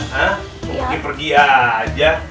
mungkin pergi aja